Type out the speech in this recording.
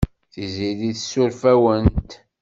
Tiziri tessuref-awent.